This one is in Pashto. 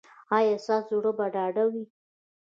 ایا ستاسو زړه به ډاډه وي؟